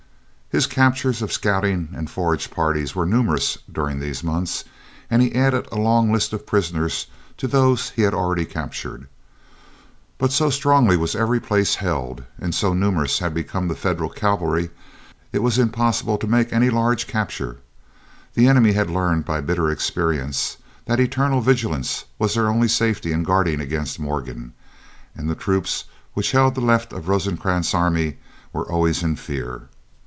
His captures of scouting and forage parties were numerous during these months, and he added a long list of prisoners to those he had already captured. But so strongly was every place held, and so numerous had become the Federal cavalry, it was impossible to make any large capture. The enemy had learned by bitter experience, that eternal vigilance was their only safety in guarding against Morgan, and the troops which held the left of Rosecrans's army were always in fear.